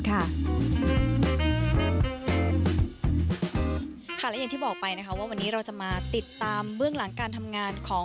ค่ะและอย่างที่บอกไปนะคะว่าวันนี้เราจะมาติดตามเบื้องหลังการทำงานของ